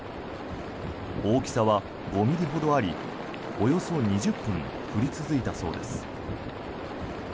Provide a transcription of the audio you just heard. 大きさは５ｍｍほどありおよそ２０分降り続いたそうです。